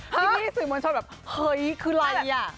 พี่สื่อมนต์ช่วยแบบเฮ้ยคือไรอ่ะ